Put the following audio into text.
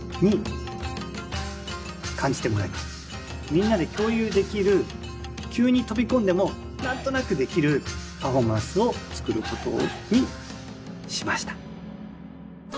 みんなで共有できる急に飛び込んでも何となくできるパフォーマンスを作ることにしました。